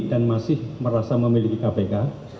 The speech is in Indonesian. masih merasa memiliki kpk